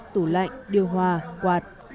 tủ lạnh điều hòa quạt